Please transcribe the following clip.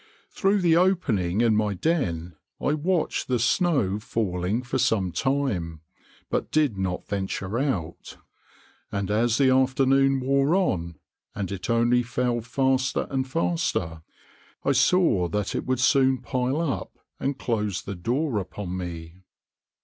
Through the opening in my den I watched the snow falling for some time, but did not venture out; and as the afternoon wore on, and it only fell faster and faster, I saw that it would soon pile up and close the door upon me.